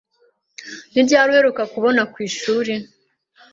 Ni ryari uheruka kubona ku ishuri?